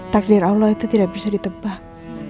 takdir allah itu tidak bisa ditebak